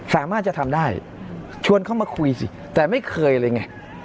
สามารถจะทำได้ชวนเข้ามาคุยสิแต่ไม่เคยเลยไง